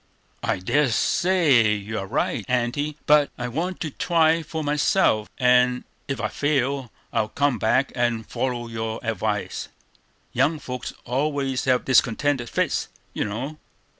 "I dare say you are right, Aunty; but I want to try for myself; and if I fail, I'll come back and follow your advice. Young folks always have discontented fits, you know.